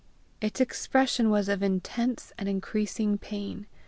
Its expression was of intense and increasing pain.